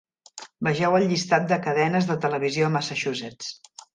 Vegeu el llistat de cadenes de televisió a Massachusetts.